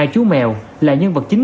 ba mươi hai chú mèo là nhân vật chính